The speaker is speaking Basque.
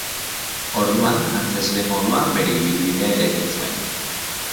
Orduan antzezle moduan bere ibilbidea ere egin zuen.